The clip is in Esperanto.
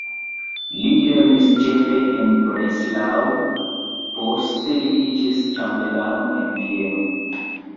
Li lernis ĉefe en Breslau, poste li iĝis ĉambelano en Vieno.